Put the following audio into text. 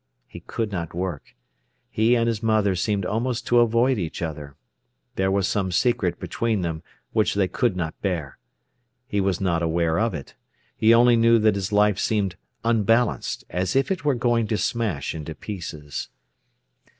He could not work. He and his mother seemed almost to avoid each other. There was some secret between them which they could not bear. He was not aware of it. He only knew that his life seemed unbalanced, as if it were going to smash into pieces.